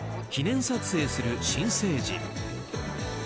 記念撮影をする新成人。